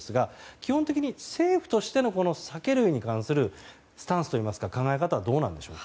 基本的に政府としての酒類に関するスタンスというか考え方はどうなんでしょうか？